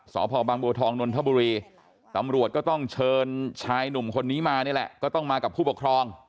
สพบางบัวทองนนทบุรีตำรวจก็ต้องเชิญชายหนุ่มคนนี้มานี่แหละก็ต้องมากับผู้ปกครอง